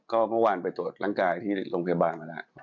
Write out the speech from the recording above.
ก็เมื่อวานไปตรวจร่างกายที่โรงพยาบาลมาแล้ว